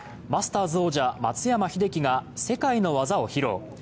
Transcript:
マスターズ王者・松山英樹が世界の技を披露。